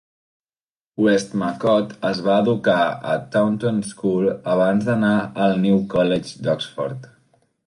Westmacott es va educar a Taunton School abans d'anar al New College d'Oxford.